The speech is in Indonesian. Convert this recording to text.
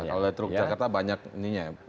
ya kalau di teluk jakarta banyak ininya ya